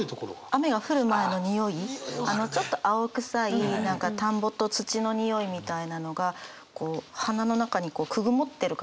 雨が降る前のにおいちょっと青臭い何か田んぼと土のにおいみたいなのがこう鼻の中にくぐもってる感じがすごく好きです。